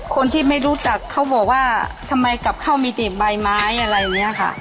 คนที่ไม่รู้จักเขาบอกว่าทำไมกลับเข้ามีแต่ใบไม้อะไรอย่างนี้ค่ะ